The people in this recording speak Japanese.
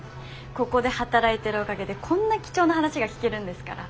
ここで働いてるおかげでこんな貴重な話が聞けるんですから。